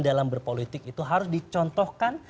dalam berpolitik itu harus dicontohkan